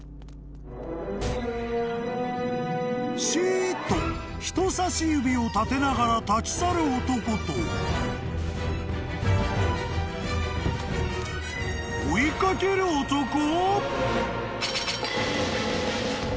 ［シーっと人さし指を立てながら立ち去る男と追い掛ける男！？］